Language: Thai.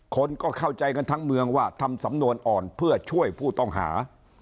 คนก็เข้าใจกันทั้งเมืองว่าทำสำนวนอ่อนเพื่อช่วยผู้ต้องหา